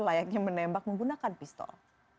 layaknya menembak menggunakan pistol